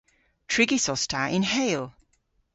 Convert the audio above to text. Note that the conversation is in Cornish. Trigys os ta yn Heyl.